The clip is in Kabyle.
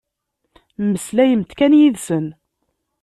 Mmeslayemt kan yid-sen.